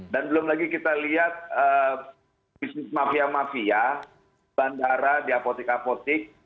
dan belum lagi kita lihat bisnis mafia mafia bandara di apotik apotik